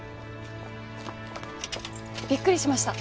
びっくりしました。